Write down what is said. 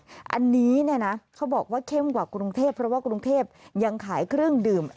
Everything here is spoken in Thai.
แต่ที่โคราชคือห้ามขายงดเลย